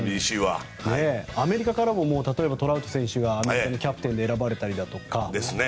アメリカからも、例えばトラウト選手がアメリカのキャプテンに選ばれたりだとか。